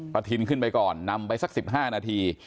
ประทินขึ้นไปก่อนนำไปสักสิบห้านาที